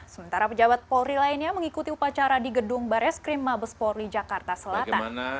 sementara pejabat polri lainnya mengikuti upacara di gedung bareskrim mabes polri jakarta selatan